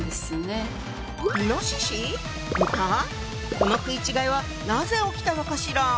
この食い違いはなぜ起きたのかしら？